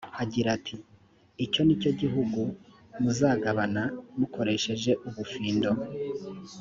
agira ati «icyo ni cyo gihugu muzagabana mukoresheje ubufindo.